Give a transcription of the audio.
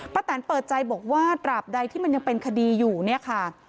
แตนเปิดใจบอกว่าตราบใดที่มันยังเป็นคดีอยู่เนี่ยค่ะ